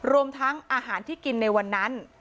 รวมทั้งอาหารที่กินในวันนั้น